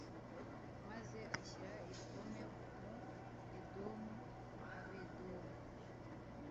Maze ashyira ibihome mu edomu abedomu